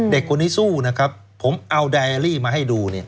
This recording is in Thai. เด็กคนนี้สู้นะครับผมเอาไดอารี่มาให้ดูเนี่ย